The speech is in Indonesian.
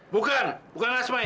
bukan bukan asma ini